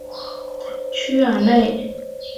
屈尔内。